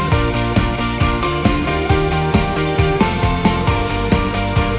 บ๊ายบายค่ะ